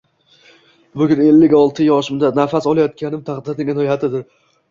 Bugun ellik olti yoshimda nafas olayotganim taqdirning inoyatidir